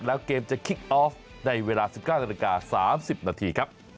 แล้วเกมจะคิกออฟในเวลา๑๙นาฬิกา๓๐นาทีครับ